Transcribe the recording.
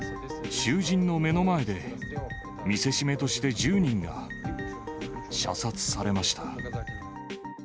囚人の目の前で、見せしめとして１０人が射殺されました。